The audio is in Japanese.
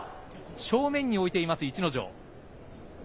正面に置いています、逸ノ城。